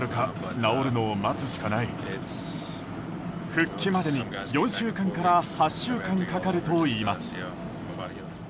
復帰までに４週間から８週間かかるといいます。